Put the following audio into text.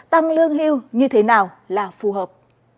tăng lương hưu như thế nào là phù hợp